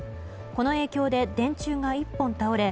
この影響で電柱が１本倒れ